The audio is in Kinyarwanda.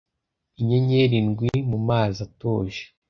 Inyenyeri ndwi mumazi atuje